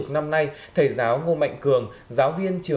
nơi hoa lư cổ kính